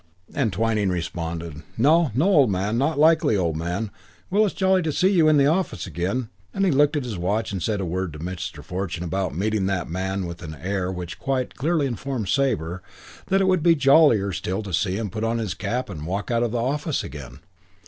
And Twyning responded, "No, no, old man. Not likely, old man. Well, it's jolly to see you in the office again"; and he looked at his watch and said a word to Mr. Fortune about "Meeting that man" with an air which quite clearly informed Sabre that it would be jollier still to see him put on his cap and walk out of the office again.